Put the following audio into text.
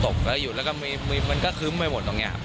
ตกแล้วหยุดแล้วก็มันก็คึ้มไปหมดตรงนี้ครับ